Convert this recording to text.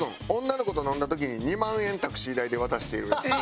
女の子と飲んだ時に２万円タクシー代で渡しているらしい。